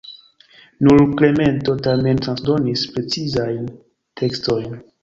Nur Klemento tamen transdonis precizajn tekstojn.